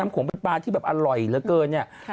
มันเป็นปลาร้อยเหลือเกิน